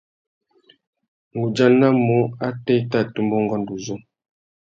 Nʼgudjanamú atê i tà tumba ungôndô uzu.